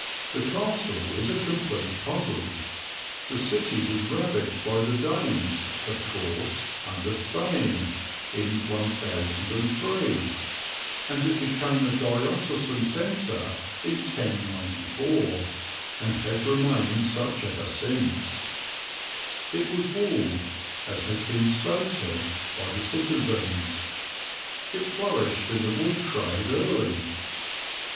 The castle is a complete puzzle. The city was ravaged by the Danes, of course, under Sweyn in 1003, and it became a diocesan centre in 1094, and has remained such ever since. It was walled, as has been stated, by the citizens; it flourished in the wool trade early.